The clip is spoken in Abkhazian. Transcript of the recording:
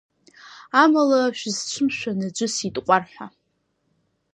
Амала, шәысцәымшәан, аӡәы сиҭҟәар ҳәа.